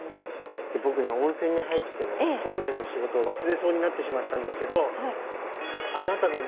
僕ね温泉に入ってね本来の仕事を忘れそうになってしまったんですけど。